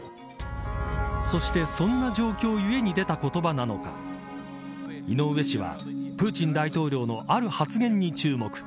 そして、そんな状況ゆえに出た言葉なのか井上氏は、プーチン大統領のある発言に注目。